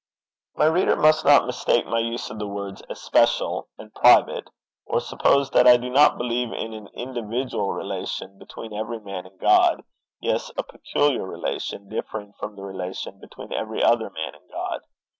My reader must not mistake my use of the words especial and private, or suppose that I do not believe in an individual relation between every man and God, yes, a peculiar relation, differing from the relation between every other man and God!